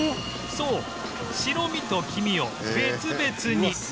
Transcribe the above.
そう白身と黄身を別々に